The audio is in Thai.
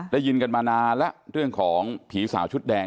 ได้ยินกันมานานแล้วเรื่องของผีสาวชุดแดง